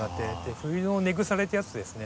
冬の根腐れっていうやつですね。